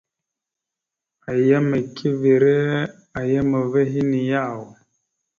Ayyam eke evere a yam ava henne yaw ?